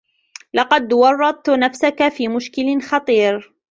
لقد ورّطت نفسك في مشكل خطير.